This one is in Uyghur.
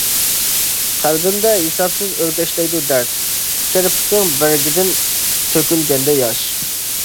قەلبىمدە ھېسابسىز ئۆركەشلەيدۇ دەرد، كىرپىكىڭ بەرگىدىن تۆكۈلگەندە ياش.